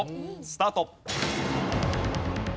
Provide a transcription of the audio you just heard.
スタート。